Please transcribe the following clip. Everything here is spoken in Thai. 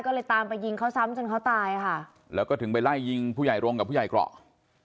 ก็เลยตามไปยิงเขาซ้ำจนเขาตายค่ะแล้วก็ถึงไปไล่ยิงผู้ใหญ่โรงกับผู้ใหญ่เกราะ